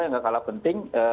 yang gak kalah penting